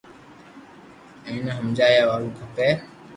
اينو ھمجايا وارو کپي